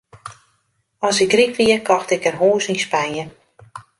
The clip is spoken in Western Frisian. As ik ryk wie, kocht ik in hûs yn Spanje.